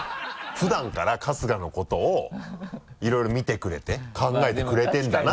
普段から春日のことをいろいろ見てくれて考えてくれてるんだなって。